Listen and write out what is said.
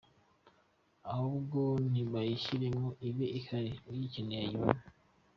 Ahubwo nibayishyiremo ibe ihari uyikeneye ayibone”.